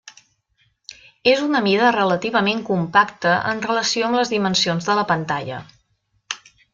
És una mida relativament compacta en relació amb les dimensions de la pantalla.